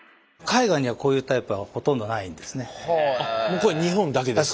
これ日本だけですか。